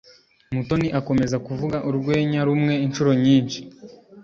Mutoni akomeza kuvuga urwenya rumwe inshuro nyinshi.